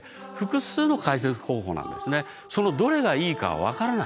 そのどれがいいかは分からない。